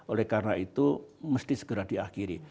oleh karena itu mesti segera diakhiri